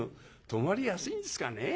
泊まりやすいんですかねえ。